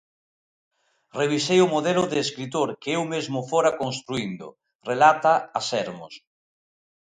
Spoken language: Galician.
Revisei o modelo de escritor que eu mesmo fora construíndo, relata a Sermos.